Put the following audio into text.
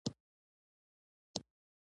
زما نئی تیشرت ښه فټ ده.